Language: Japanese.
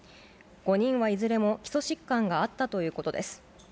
５人はいずれも基礎疾患があったということです。